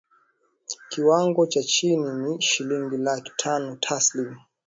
kiwango cha chini ni shilingi laki tano taslim